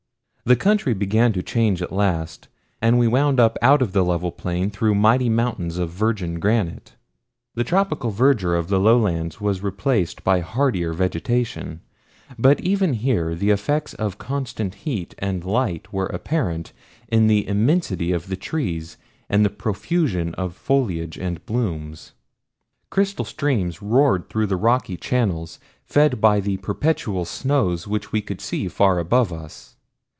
The country began to change at last, and we wound up out of the level plain through mighty mountains of virgin granite. The tropical verdure of the lowlands was replaced by hardier vegetation, but even here the effects of constant heat and light were apparent in the immensity of the trees and the profusion of foliage and blooms. Crystal streams roared through their rocky channels, fed by the perpetual snows which we could see far above us.